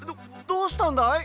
どどうしたんだい？